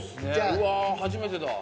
うわー、初めてだ。